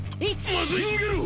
まずい！にげろ！